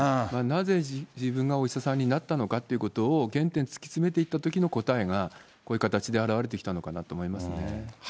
なぜ、自分がお医者さんになったとかということを、原点突き詰めていったときの答えが、こういう形で表れてきたのかなと思いますね。